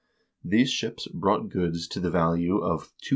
* These ships brought goods to the value of £2036.